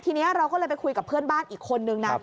ทีนี้เราก็เลยไปคุยกับเพื่อนบ้านอีกคนนึงนะ